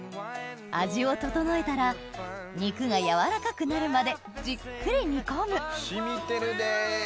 味を調えたら肉がやわらかくなるまでじっくり煮込む染みてるで。